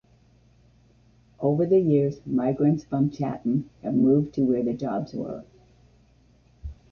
Over the years migrants from Chatham have moved to where the jobs were.